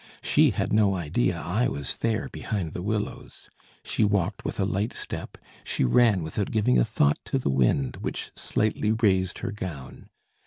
She had no idea I was there behind the willows; she walked with a light step, she ran without giving a thought to the wind, which slightly raised her gown.